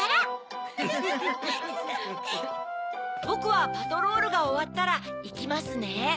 ぼくはパトロールがおわったらいきますね。